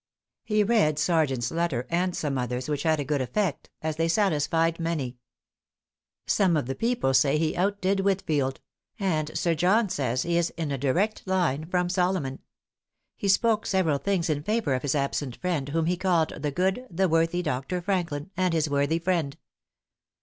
He read Sergeant's letter, and some others, which had a good effect, as they satisfied many. Some of the people say he outdid Whitfield; and Sir John says he is in a direct line from Solomon. He spoke several things in favor of his absent friend, whom he called the good, the worthy Dr. Franklin, and his worthy friend.